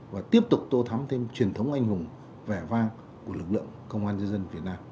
và tiếp tục tô thắm thêm truyền thống anh hùng vẻ vang của lực lượng công an nhân dân việt nam